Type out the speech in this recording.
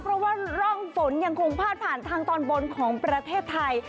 เพราะว่าร่องฝนยังคงพาดผ่านทางตอนบนของประเทศไทย